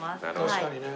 確かにね。